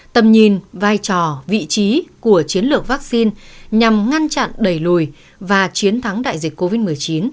tầm nhìn vai trò vị trí của chiến lược vaccine nhằm ngăn chặn đẩy lùi và chiến thắng đại dịch covid một mươi chín